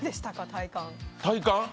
体感。